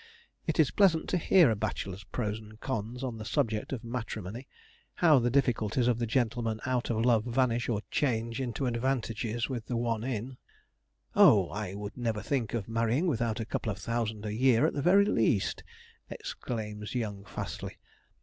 It is pleasant to hear a bachelor's pros and cons on the subject of matrimony; how the difficulties of the gentleman out of love vanish or change into advantages with the one in 'Oh, I would never think of marrying without a couple of thousand a year at the very least!' exclaims young Fastly.